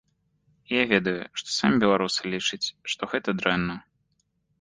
І я ведаю, што самі беларусы лічаць, што гэта дрэнна.